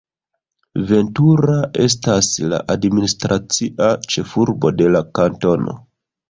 Ventura estas la administracia ĉefurbo de la kantono.